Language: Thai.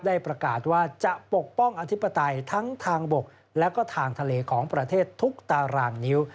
ได้ประกาศว่าจะปกป้องอธิปไตยทั้งทางบกและก็ทางทะเลของประเทศทุกตารางนิ้ว